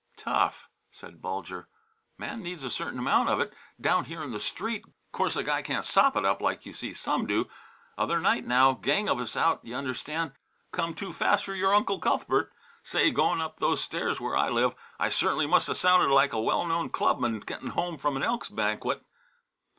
"Tough," said Bulger. "Man needs a certain amount of it, down here in the street. Course, a guy can't sop it up, like you see some do. Other night, now gang of us out, y'understand come too fast for your Uncle Cuthbert. Say, goin' up those stairs where I live I cert'n'ly must 'a' sounded like a well known clubman gettin' home from an Elks' banquet.